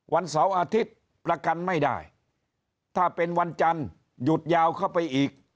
วันเสาร์อาทิตย์ประกันไม่ได้ถ้าเป็นวันจันทร์หยุดยาวเข้าไปอีก